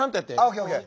ＯＫＯＫ。